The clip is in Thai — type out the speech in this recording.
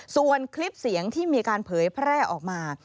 ส่วนคลิปเสียงที่มีการเผยแพร่ออกมา